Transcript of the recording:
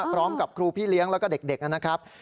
พร้อมกับครูพี่เลี้ยงแล้วก็เด็กนะครับ